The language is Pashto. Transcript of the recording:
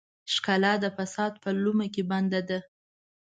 ښکلا د فساد په لومه کې بنده ده.